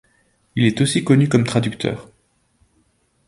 Il est aussi connu comme traducteur.